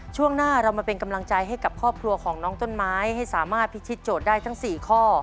ช่วงหน้าเรามาเป็นกำลังใจให้กับครอบครัวของน้องต้นไม้